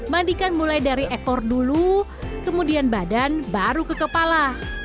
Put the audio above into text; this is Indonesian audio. mandikan mulai dari ekor dulu kemudian badan baru ke kepala